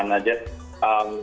sebenarnya sih ya ideal